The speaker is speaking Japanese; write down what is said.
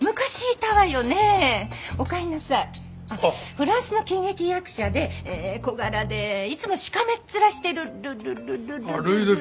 フランスの喜劇役者で小柄でいつもしかめっ面してる。ルルルル。